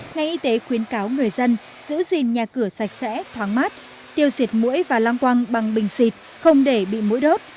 ngành y tế khuyến cáo người dân giữ gìn nhà cửa sạch sẽ thoáng mát tiêu diệt mũi và lăng quăng bằng bình xịt không để bị mũi đốt